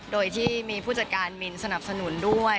โดยที่มีผู้จัดการมินสนับสนุนด้วย